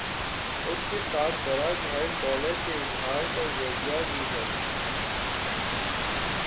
اس کے ساتھ بڑا گھر دولت کے اظہار کا ذریعہ بھی ہے۔